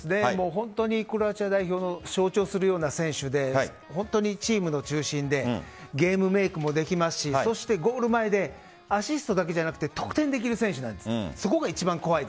クロアチア代表を象徴するような選手でチームの中心でゲームメイクもできますしゴール前でアシストだけじゃなく得点できる選手です。